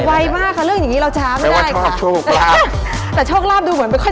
แต่ว่าขอลงหมู่เนื่องแล้วค่ะ